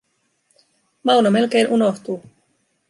Mauno melkein unohtuu.